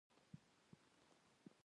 افغانستان ته د اسلام راتګ لومړی لوست دی.